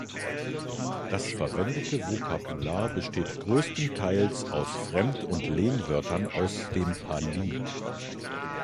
Das verwendete Vokabular besteht größtenteils aus Fremd- und Lehnwörtern aus dem Pali.